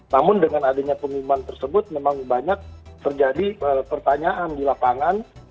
namun dengan adanya pengumuman tersebut memang banyak terjadi pertanyaan di lapangan